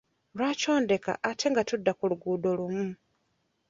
Lwaki ondeka ate nga tudda ku luguudo lumu?